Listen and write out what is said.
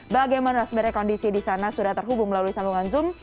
bagaimana sebenarnya kondisi di sana sudah terhubung melalui sambungan zoom